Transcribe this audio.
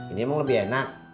ini emang lebih enak